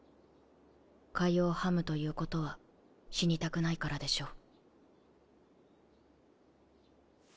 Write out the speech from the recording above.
粥をはむということは死にたくないからでしょう。